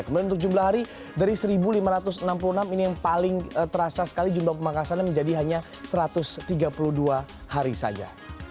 kemudian untuk jumlah hari dari satu lima ratus enam puluh enam ini yang paling terasa sekali jumlah pemangkasannya menjadi hanya satu ratus tiga puluh dua hari saja